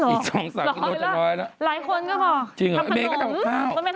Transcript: อีกสองสำกินโตชีสักร้อยแล้วหลายคนก็บอกทำขนม